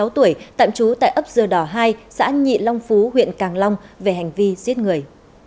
một mươi sáu tuổi tạm trú tại ấp dừa đỏ hai xã nhị long phú huyện càng long về hành vi giết người